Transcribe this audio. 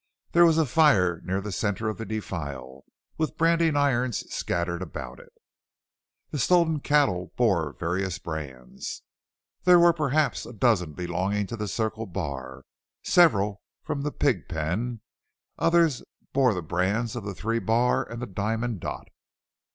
There was a fire near the center of the defile, with branding irons scattered about it. The stolen cattle bore various brands. There were perhaps a dozen belonging to the Circle Bar, several from the Pig Pen; others bore the brands of the Three Bar and the Diamond Dot.